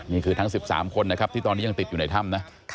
นี่คือทั้ง๑๓คนนะครับที่ตอนนี้ยังติดอยู่ในถ้ำนะ